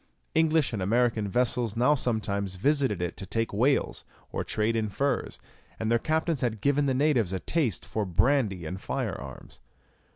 English and American vessels now sometimes visited it to take whales, or trade in furs, and their captains had given the natives a taste for brandy and fire arms.